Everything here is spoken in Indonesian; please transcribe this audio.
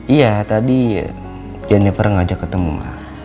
iya tadi jennifer ngajak ketemu